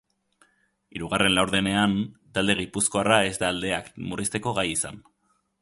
Hirugarren laurdenean, talde gipuzkoarra ez da aldeak murrizteko gai izan.